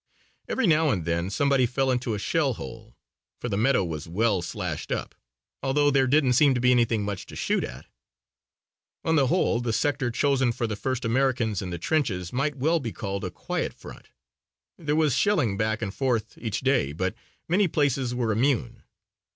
Every now and then somebody fell into a shell hole, for the meadow was well slashed up, although there didn't seem to be anything much to shoot at. On the whole, the sector chosen for the first Americans in the trenches might well be called a quiet front. There was shelling back and forth each day, but many places were immune.